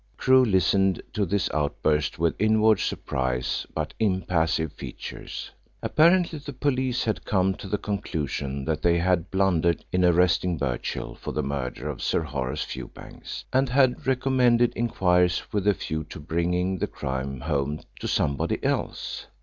Crewe listened to this outburst with inward surprise but impassive features. Apparently the police had come to the conclusion that they had blundered in arresting Birchill for the murder of Sir Horace Fewbanks, and had recommenced inquiries with a view to bringing the crime home to somebody else.